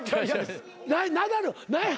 ナダル何や？